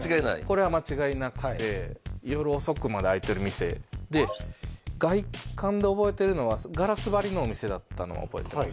これは間違いなくて夜遅くまで開いてる店で外観で覚えてるのはガラス張りのお店だったのは覚えてます